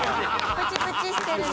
プチプチしてるね。